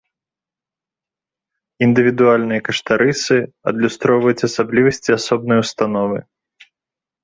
Індывідуальныя каштарысы адлюстроўваюць асаблівасці асобнай установы.